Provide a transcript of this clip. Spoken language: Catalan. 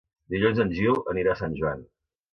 Dilluns en Gil anirà a Sant Joan.